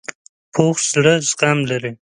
پوخ زړه زغم لري